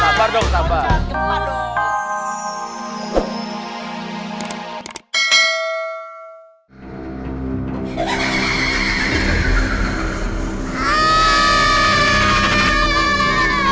jangan tolong jangan kepedang